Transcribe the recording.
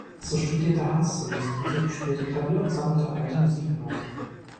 So studierte Hans zunächst Musik, spielte Klavier und sammelte alte Musiknoten.